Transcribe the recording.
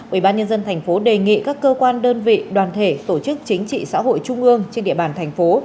ubnd tp đề nghị các cơ quan đơn vị đoàn thể tổ chức chính trị xã hội trung ương trên địa bàn thành phố